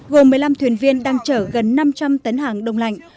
gồm một mươi năm thuyền viên đang chở gần năm trăm linh tấn hàng đông lạnh